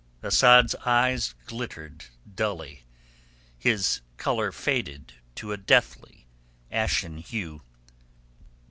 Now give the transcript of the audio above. Asad's eyes glittered dully, his colour faded to a deathly ashen hue.